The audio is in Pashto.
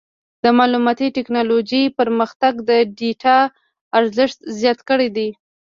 د معلوماتي ټکنالوجۍ پرمختګ د ډیټا ارزښت زیات کړی دی.